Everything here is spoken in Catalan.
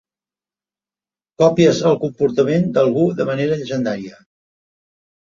Copies el comportament d'algú de manera llegendària.